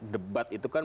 debat itu kan